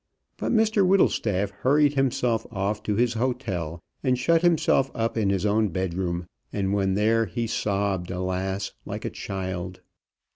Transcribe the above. But Mr Whittlestaff hurried himself off to his hotel, and shut himself up in his own bedroom, and when there, he sobbed, alas! like a child.